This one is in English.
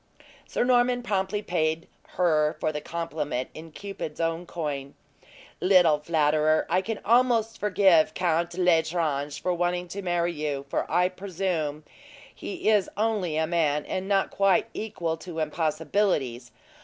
Sir Norman promptly paid her for the compliment in Cupid's own coin: "Little flatterer! I can almost forgive Count L'Estrange for wanting to marry you; for I presume he it only a man, and not quite equal to impossibilities.